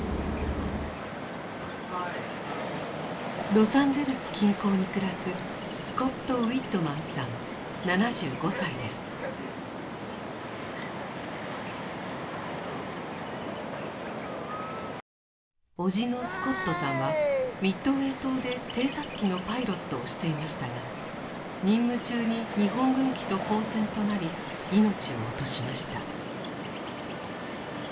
ロサンゼルス近郊に暮らす叔父のスコットさんはミッドウェー島で偵察機のパイロットをしていましたが任務中に日本軍機と交戦となり命を落としました。